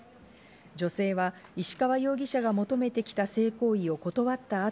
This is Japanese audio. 女性は石川容疑者が求めてきた性行為を断った後、